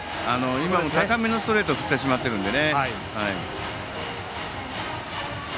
高めのストレートを振ってしまっているので。